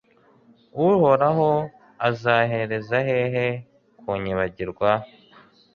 uhoraho, uzahereza hehe kunyibagirwa